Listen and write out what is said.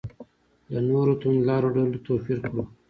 له نورو توندلارو ډلو توپیر کړو.